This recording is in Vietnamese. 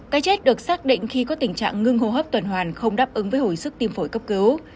cái chết được xác định khi có tình trạng ngưng hô hấp tuần hoàn không đáp ứng với hồi sức tim phổi cấp cứu